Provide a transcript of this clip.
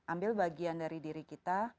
ambil bagian dari diri kita